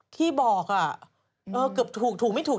ที่บอกเกือบถูกไม่ถูก